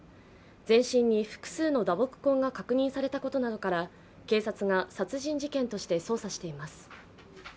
前進に複数の打撲痕が確認されたことなどから警察が殺人事件として捜査しています。